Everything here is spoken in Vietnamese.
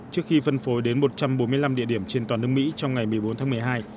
trước khi phân phối đến một trăm bốn mươi năm địa điểm trên toàn nước mỹ trong ngày một mươi bốn tháng một mươi hai